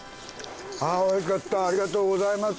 あおいしかったありがとうございます。